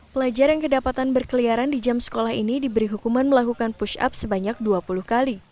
pelajar yang kedapatan berkeliaran di jam sekolah ini diberi hukuman melakukan push up sebanyak dua puluh kali